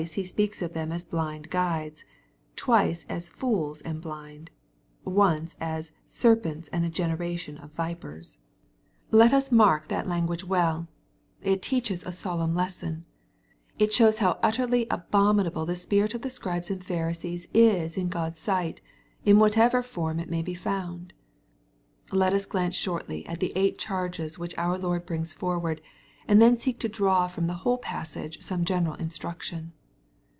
He speaks of them as blindguides — twice as " fbok and blind" — once as ^^ serpents and a generation of vipers." Let us mark S02 EXPOSITORY THOUGHTS. that language well, fit teaches a solemn lesson^^ It shows how utterly^ abominable the spirit of the Soriliefl and Pharisees is in God's sight, in whateverTohn it may be found. '"* Let us glance shortly at the eight charges which our Lord brings forward, and then seek to draw from the whole passage some general instruction.